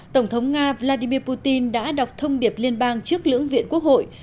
tổng thống nga vladimir putin đã đọc thông điệp liên bang trước lưỡng viện quốc hội